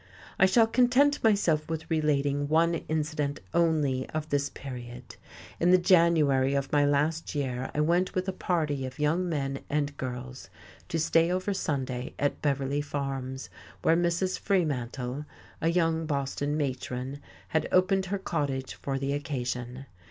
I shall content myself with relating one incident only of this period. In the January of my last year I went with a party of young men and girls to stay over Sunday at Beverly Farms, where Mrs. Fremantle a young Boston matron had opened her cottage for the occasion.